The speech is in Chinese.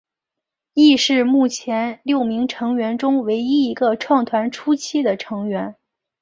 亦是目前六名成员中唯一一个创团初期的成员。